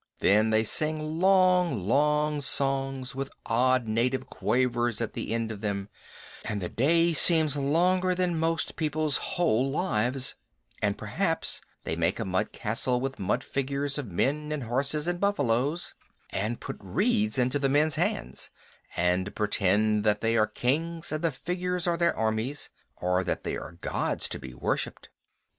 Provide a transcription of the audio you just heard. Then they sing long, long songs with odd native quavers at the end of them, and the day seems longer than most people's whole lives, and perhaps they make a mud castle with mud figures of men and horses and buffaloes, and put reeds into the men's hands, and pretend that they are kings and the figures are their armies, or that they are gods to be worshiped.